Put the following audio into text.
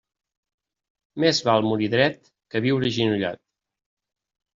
Més val morir dret que viure agenollat.